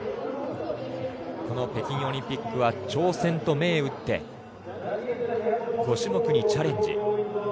北京オリンピックは挑戦と銘打って５種目にチャレンジ。